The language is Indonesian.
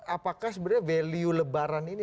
apakah sebenarnya value lebaran ini